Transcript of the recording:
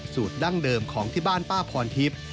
ดั้งเดิมของที่บ้านป้าพรทิพย์